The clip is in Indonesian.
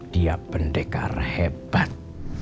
dia pendekar hebat